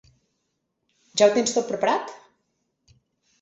Ja ho tens tot preparat?